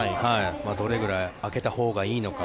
どれくらい空けたほうがいいのか。